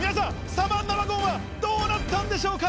サバンナワゴンはどうなったんでしょうか！